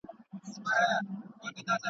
چي د ملالي د ټپې زور یې لیدلی نه وي.